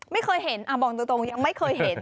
ไม่เคยเห็นบอกตรงยังไม่เคยเห็น